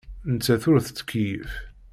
Nettat ur tettkeyyif.